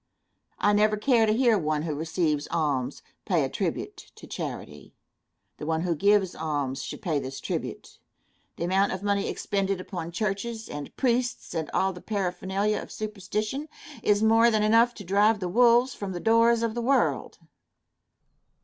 I never care to hear one who receives alms pay a tribute to charity. The one who gives alms should pay this tribute. The amount of money expended upon churches and priests and all the paraphernalia of superstition, is more than enough to drive the wolves from the doors of the world.